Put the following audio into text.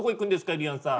ゆりやんさん。